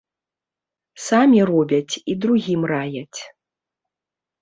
Самі робяць і другім раяць.